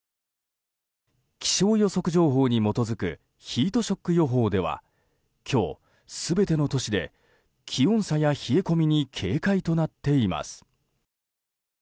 気象予測情報に基づくヒートショック予報では今日、全ての都市で気温差や冷え込みに警戒となっています。